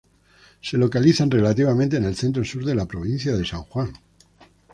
Se localizan relativamente en el centro sur de la provincia de San Juan.